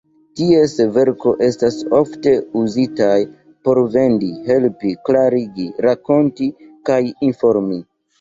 Ties verko estas ofte uzitaj por vendi, helpi, klarigi, rakonti kaj informi.